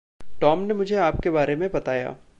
Tom ने मुझे आपके बारे में बताया।